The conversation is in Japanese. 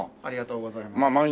ありがとうございます。